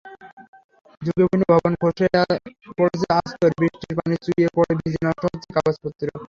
ঝুঁকিপূর্ণ ভবন, খসে পড়ছে আস্তর, বৃষ্টির পানি চুইয়ে পড়ে ভিজে নষ্ট হচ্ছে কাগজপত্র।